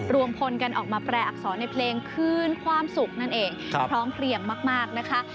รวมพลกันออกมาแปรอักษรในเพลงคืนความสุขนั่นเองพร้อมเพลียงมากนะคะ